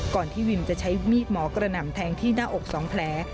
ก่อนที่วิมจะใช้มีดหมอกระหน่ำแทงที่หน้าอก๒แผล